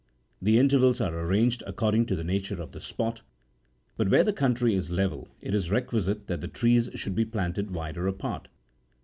The intervals are arranged according to the nature of the spot ; but where the country is level, it is requisite that the trees should be planted wider apart.